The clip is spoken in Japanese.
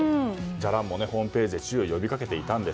じゃらんもホームページで注意を呼び掛けていたんです。